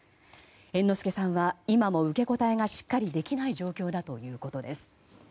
猿之助さんは今も受け答えがしっかりできない状況だということです。